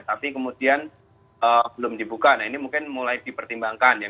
tapi kemudian belum dibuka nah ini mungkin mulai dipertimbangkan ya